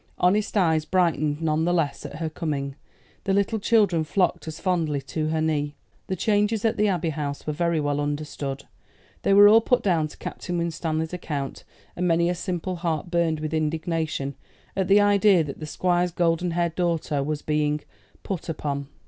Honest eyes brightened none the less at her coming, the little children flocked as fondly to her knee. The changes at the Abbey House were very well understood. They were all put down to Captain Winstanley's account; and many a simple heart burned with indignation at the idea that the Squire's golden haired daughter was being "put upon."